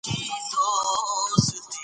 سملاسي یې نیا وویل